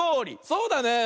そうだね。